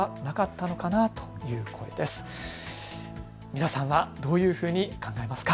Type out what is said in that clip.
皆さんはどういうふうに考えますか。